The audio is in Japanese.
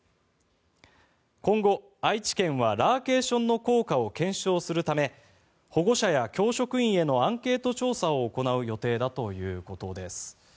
今後、愛知県はラーケーションの効果を検証するため保護者や教職員へのアンケート調査を行う予定だということです。